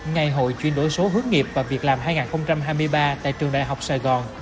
ngày hội chuyên đổi số hướng nghiệp và việc làm hai nghìn hai mươi ba tại trường đại học sài gòn